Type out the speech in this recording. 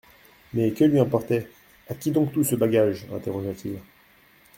Mais que lui importait !… A qui donc tout ce bagage ? interrogea-t-il.